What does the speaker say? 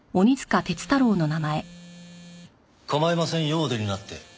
構いませんよお出になって。